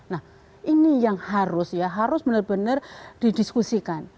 nah ini yang harus ya harus benar benar didiskusikan